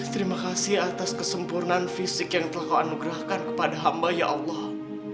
terima kasih atas kesempurnaan fisik yang telah kau anugerahkan kepada hamba ya allah